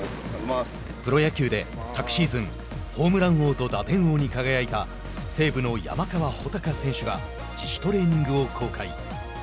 プロ野球で昨シーズンホームラン王と打点王に輝いた西武の山川穂高選手が自主トレーニングを公開。